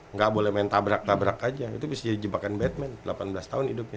nggak boleh main tabrak tabrak aja itu bisa jadi jebakan batman delapan belas tahun hidupnya